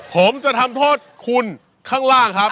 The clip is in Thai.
ผมจะทำโทษคุณข้างล่างครับ